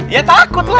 iya takut lah